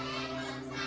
setiap senulun buat